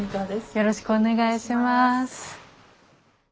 よろしくお願いします。